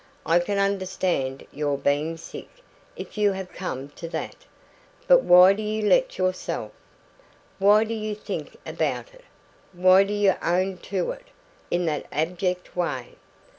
"I can understand your being sick, if you have come to that. But why do you let yourself? Why do you think about it? Why do you own to it in that abject way?